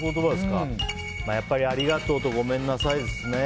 やっぱり、ありがとうとごめんなさいですね。